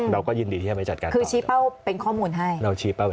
เราชี้เป้าเป็นความหมุนให้ครับ